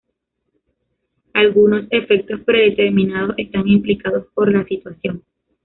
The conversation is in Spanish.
Algunos efectos predeterminados están implicados por la situación.